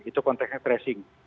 itu konteksnya tracing